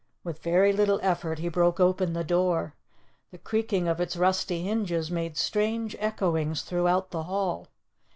With very little effort he broke open the door. The creaking of its rusty hinges made strange echoings throughout the hall.